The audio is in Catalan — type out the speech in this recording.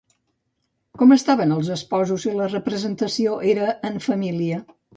Com estaven els esposos si la representació era en família?